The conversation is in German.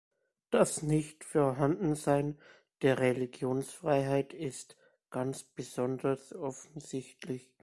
Das Nichtvorhandensein der Religionsfreiheit ist ganz besonders offensichtlich.